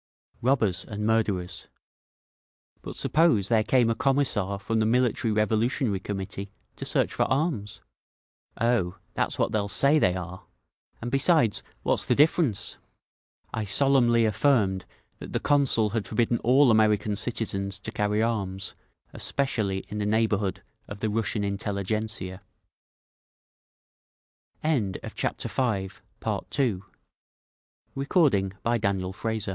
"Robbers and murderers." "But suppose there came a Commissar from the Military Revolutionary Committee to search for arms?" "Oh, that's what they'll say they are…. And besides, what's the difference?" I solemnly affirmed that the Consul had forbidden all American citizens to carry arms—especially in the neighbourhood of the Russian intelligentzia…. Chapter VI The Committee for Salvation Friday, No